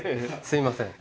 すいません。